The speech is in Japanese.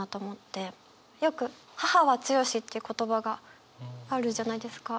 よく「母は強し」って言う言葉があるじゃないですか。